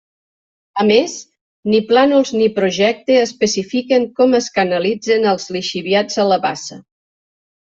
A més, ni plànols ni Projecte especifiquen com es canalitzen els lixiviats a la bassa.